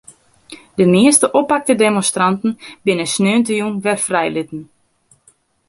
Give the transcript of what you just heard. De measte oppakte demonstranten binne sneontejûn wer frijlitten.